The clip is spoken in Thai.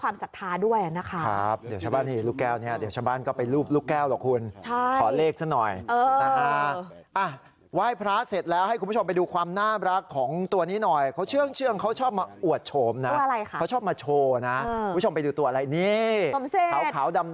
มากราบไหว้ด้วยความศรัทธาด้วยนะคะ